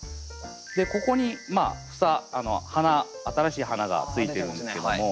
でここに房新しい花がついてるんですけども。